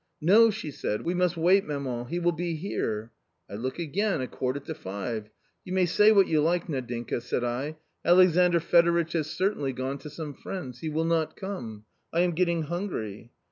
' No,' she said, ' we must wait, maman, he will be here.' I look again, a quarter to five. 'You may say what you like, Nadinka,' said I ;' Alexandr Fedoritch has certainly gone to some friends, he will not come ; I am getting hungry.'